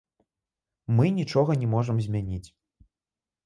Мы нічога не можам змяніць.